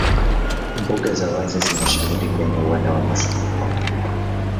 Mbuga za wazi zinashamiri kwenye uwanda wa mafuriko